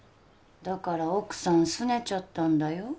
だから奥さんすねちゃったんだよ